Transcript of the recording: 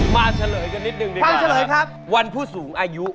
เฉลยกันนิดนึงดีกว่าเฉลยครับวันผู้สูงอายุ